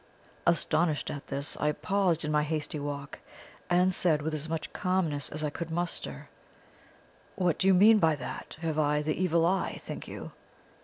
Astonished at this, I paused in my hasty walk, and said with as much calmness as I could muster: "'What do you mean by that? Have I the evil eye, think you?'